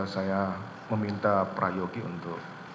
saya meminta pra yogi untuk